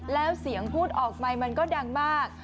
แล้วเสียงพูดออกไมค์มันก็ดังมาก